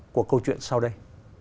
của câu chuyện sau đây